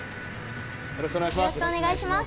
よろしくお願いします。